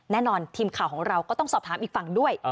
แน่นอนทีมข่าวของเราก็ต้องสอบถามอีกฝั่งด้วย